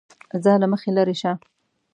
زه له مخې لېرې شه!